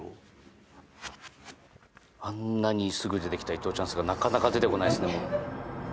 あんなにすぐ出てきた伊藤チャンスがなかなか出てこないですね。